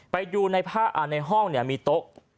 ไปดูในห้องมีโต๊ะ